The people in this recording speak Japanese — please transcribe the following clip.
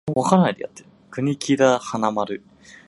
国木田花丸